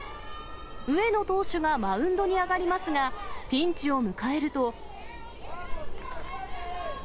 上野投手がマウンドに上がりますが、ピンチを迎えると。